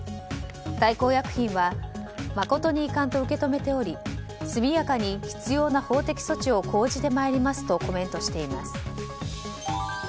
大幸薬品は誠に遺憾と受け止めており速やかに必要な法的措置を講じてまいりますとコメントしています。